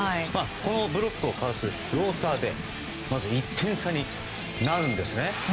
このブロックをかわすフローターでまず１点差になるんですね。